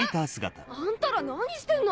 ⁉あんたら何してんの？